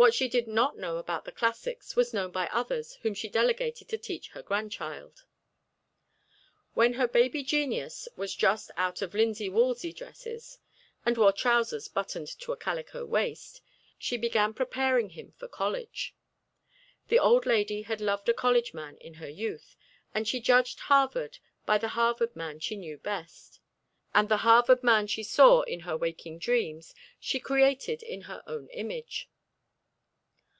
What she did not know about the classics was known by others whom she delegated to teach her grandchild. When her baby genius was just out of linsey woolsey dresses and wore trousers buttoned to a calico waist, she began preparing him for college. The old lady had loved a college man in her youth, and she judged Harvard by the Harvard man she knew best. And the Harvard man she saw in her waking dreams, she created in her own image.